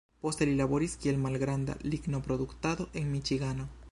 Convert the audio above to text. Poste li laboris kiel malgranda lignoproduktado en Miĉigano.